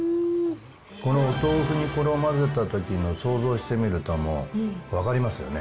このお豆腐にこれを混ぜたときの想像してみるともう、分かりますよね。